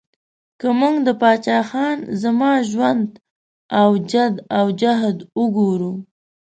که موږ د پاچا خان زما ژوند او جد او جهد وګورو